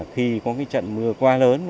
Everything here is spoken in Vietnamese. khi có trận mưa quá lớn